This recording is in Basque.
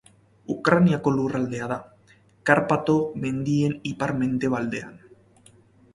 Ukrainiako lurraldea da, Karpato mendien ipar-mendebalean.